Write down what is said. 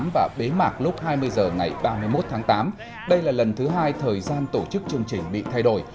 và bế mạc lúc hai mươi h ngày ba mươi một tháng tám đây là lần thứ hai thời gian tổ chức chương trình bị thay đổi